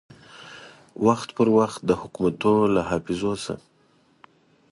وخت پر وخت د حکومتو له حافظو سه